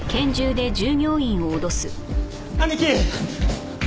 兄貴。